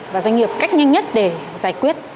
và doanh nghiệp cách nhanh nhất để giải quyết